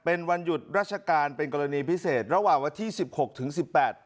เป็นวันหยุดราชการเป็นกรณีพิเศษระหว่างวันที่สิบหกถึงสิบแปด